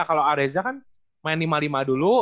kalau areza kan main lima lima dulu